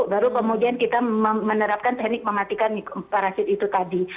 baru kemudian kita menerapkan teknik mematikan parasit itu tadi